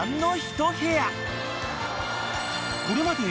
［これまで］